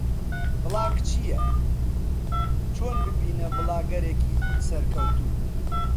بڵاگ چییە؟ چۆن ببینە بڵاگەرێکی سەرکەوتوو؟